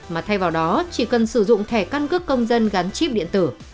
mà thay vào đó chỉ cần sử dụng thẻ căn cước công dân gắn chip điện tử